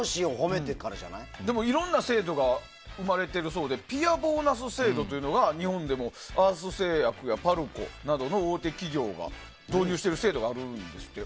でもいろんな制度が生まれているそうでピアボーナス制度というのが日本でもアース製薬やパルコなどの大手企業が導入している制度があるんですって。